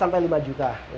empat sampai lima juta ya